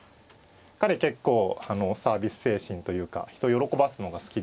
彼結構サービス精神というか人喜ばすのが好きで。